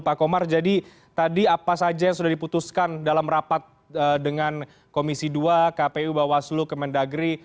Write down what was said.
pak komar jadi tadi apa saja yang sudah diputuskan dalam rapat dengan komisi dua kpu bawaslu kemendagri